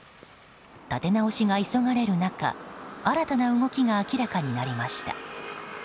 立て直しが急がれる中新たな動きが明らかになりました。